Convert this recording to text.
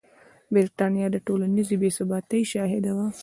برېټانیا د ټولنیزې بې ثباتۍ شاهده وه.